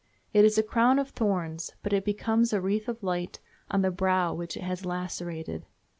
It is a crown of thorns, but it becomes a wreath of light on the brow which it has lacerated.